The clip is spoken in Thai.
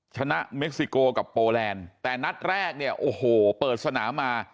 ชนะเมกซิโก้กับโปแลนแต่นัดแรกโอ้โหเปิดสนามา